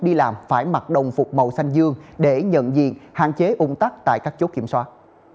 đi làm phải mặc đồng phục màu xanh dương để nhận diện hạn chế ung tắc tại các chốt kiểm soát